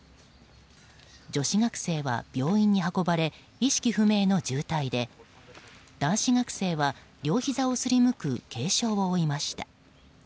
女子学生は病院に運ばれ意識不明の重体で男子学生は両ひざをすりむく軽傷を負いました。